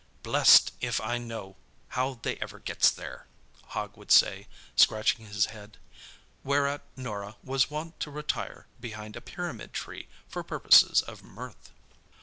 "Blest if I know how they ever gets there!" Hogg would say, scratching his head. Whereat Norah was wont to retire behind a pyramid tree for purposes of mirth.